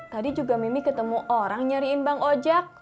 tadi juga mimi ketemu orang nyariin bang ojak